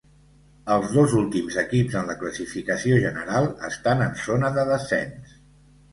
Els dos últims equips en la classificació general estan en zona de descens.